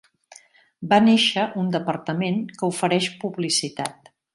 Va néixer un departament que ofereix publicitat.